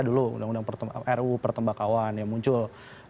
dulu undang undang ru pertembakawan ya muncul